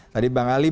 tadi bang ali